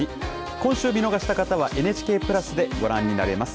今週見逃した方はＮＨＫプラスでご覧になれます。